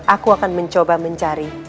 aku akan mencoba mencari